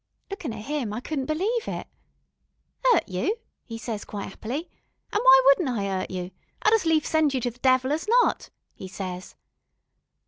Lookin' at 'im, I couldn't believe it. ''Urt you?' 'e ses quite 'appily; 'an' why wouldn't I 'urt you? I'd as lief send you to the Devil as not,' 'e ses.